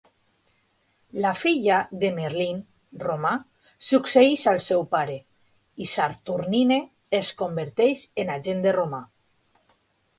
La filla de Merlyn, Roma, succeeix al seu pare, i Saturnyne es converteix en agent de Roma.